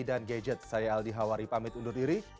dan gadget saya aldi hawari pamit undur diri